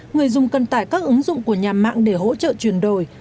người dùng cần tải các ứng dụng của nhà mạng để hỗ trợ chuyển đổi